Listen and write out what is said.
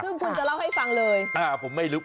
คุณจะเล่าให้ฟังเลย